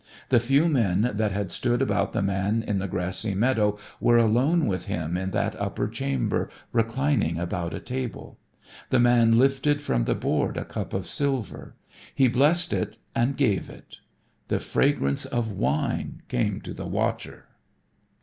The few men that had stood about the man in the grassy meadow were alone with him in that upper chamber reclining about a table. The man lifted from the board a cup of silver. He blessed it and gave it. The fragrance of wine came to the watcher.